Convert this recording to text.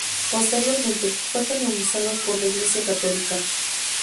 Posteriormente, fue canonizado por la Iglesia católica.